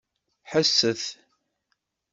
Ḥesset!